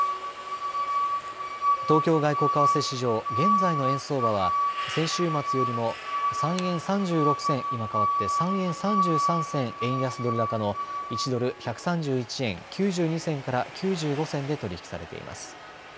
東京外国為替市場、現在の円相場は先週末よりも３円３６銭、今変わって３円３３銭円安ドル高の１ドル１３１円９２銭から９５銭で取り引きされています。